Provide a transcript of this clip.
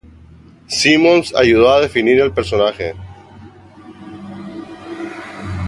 Simmons ayudó a definir el personaje.